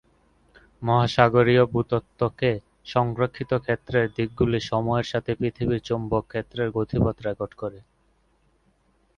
মহাসাগরীয় ভূত্বকে সংরক্ষিত ক্ষেত্রের দিকগুলি সময়ের সাথে পৃথিবীর চৌম্বকক্ষেত্রের গতিপথ রেকর্ড করে।